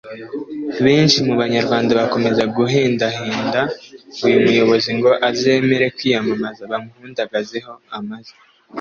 Benshi mu Banyarwanda bakomeza guhendahenda uyu muyobozi ngo azemere kwiyamamaza bamuhundagazeho amajwi